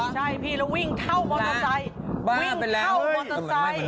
ใช่และมันวิ่งเท่ามอเตอร์ไซด์